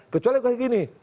kecuali seperti ini